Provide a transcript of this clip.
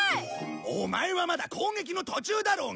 オマエはまだ攻撃の途中だろうが！